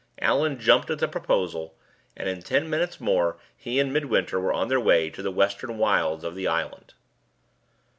Allan jumped at the proposal, and in ten minutes more he and Midwinter were on their way to the western wilds of the island.